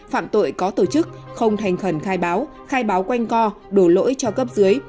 phạm tội có tổ chức không thành khẩn khai báo khai báo quanh co đổ lỗi cho cấp dưới